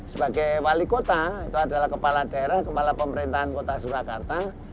sebagai wali kota itu adalah kepala daerah kepala pemerintahan kota surakarta